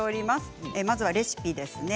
まずはレシピです。